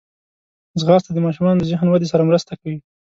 ځغاسته د ماشومانو د ذهن ودې سره مرسته کوي